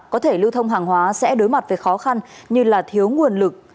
có thể lưu thông hàng hóa sẽ đối mặt với khó khăn như thiếu nguồn lực